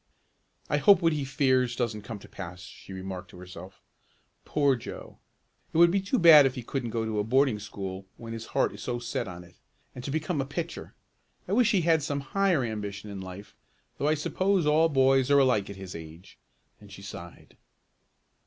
"I hope what he fears doesn't come to pass," she remarked to herself. "Poor Joe! it would be too bad if he couldn't go to a boarding school when his heart is so set on it. And to become a pitcher! I wish he had some higher ambition in life, though I suppose all boys are alike at his age," and she sighed.